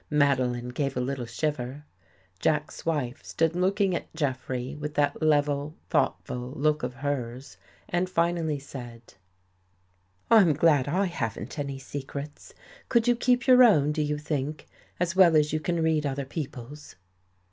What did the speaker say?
Madeline gave a little shiver. Jack's wife stood looking at Jeffrey with that level, thoughtful look of hers, and finally said: —" I'm glad I haven't any secrets. Could you keep your own, do you think, as well as you can read other people's?